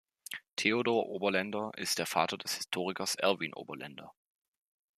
Theodor Oberländer ist der Vater des Historikers Erwin Oberländer.